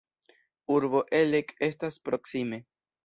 Urbo Elek estas proksime.